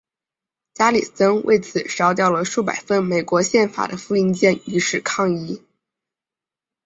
加里森为此烧掉了数百份美国宪法的复印件以示抗议。